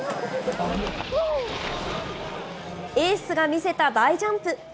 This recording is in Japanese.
エースが見せた大ジャンプ。